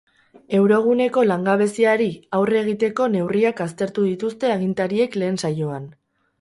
Euroguneko langabeziari aurre egiteko neurriak aztertu dituzte agintariek lehen saioan.